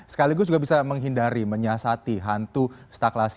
sekaligus juga bisa menghindari menyiasati hantu staklasi